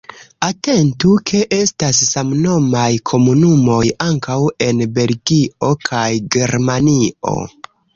Atentu, ke estas samnomaj komunumoj ankaŭ en Belgio kaj Germanio.